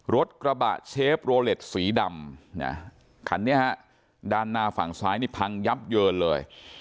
รถกระบะเชฟโรเล็ตสีดำคันนี้ฮะด้านหน้าฝั่งซ้ายนี่พังยับเยินเลย